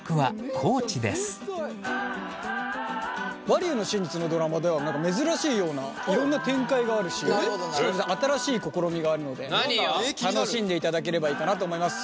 「バリューの真実」のドラマでは珍しいようないろんな展開があるし新しい試みがあるので楽しんでいただければいいかなと思います。